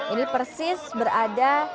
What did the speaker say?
ini persis berada